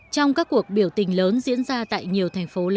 trong các cuộc biểu tình lớn diễn ra tại nhiều thành phố lớn ở brazil